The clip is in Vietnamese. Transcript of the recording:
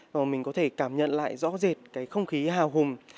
và mình có thể cảm nhận lại rõ rệt cái không khí hào hùng